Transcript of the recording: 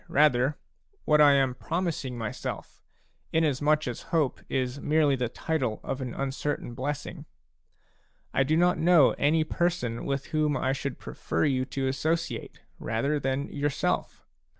rather, what I am promising myself, inasmuch as hope is merely the title of an uncertain blessing : I do not know any person with whom I should prefer you to associate rather than yourself.